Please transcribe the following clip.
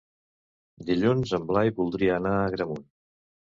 Dilluns en Blai voldria anar a Agramunt.